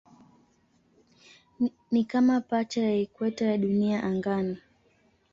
Ni kama pacha ya ikweta ya Dunia angani.